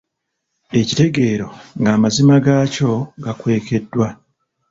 Ekitegeero ng'amazima gaakyo gakwekeddwa.